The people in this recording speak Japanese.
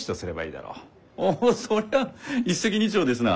おおそりゃあ一石二鳥ですな！